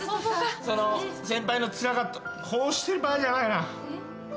先輩のつらかったこうしてる場合じゃないな。